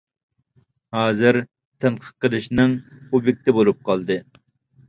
ھازىر تەنقىد قىلىشنىڭ ئوبيېكتى بولۇپ قالدى.